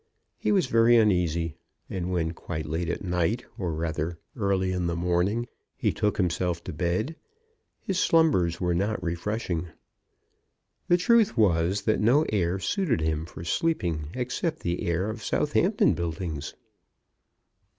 He was very uneasy; and when quite late at night, or rather, early in the morning, he took himself to bed, his slumbers were not refreshing. The truth was that no air suited him for sleeping except the air of Southampton Buildings.